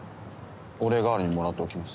お礼代わりにもらっておきます。